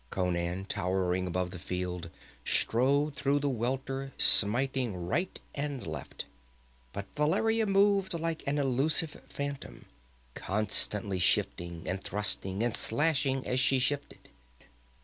Conan, towering above the field, strode through the welter smiting right and left, but Valeria moved like an illusive phantom, constantly shifting, and thrusting and slashing as she shifted.